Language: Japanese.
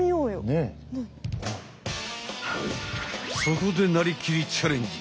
そこで「なりきり！チャレンジ！」